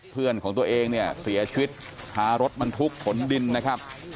เพื่อนของตัวเองเนี่ยเสียชีวิตท้ารถบรรทุกขนดินนะครับ